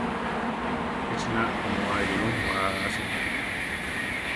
Echina oʼmoáriru wáasi.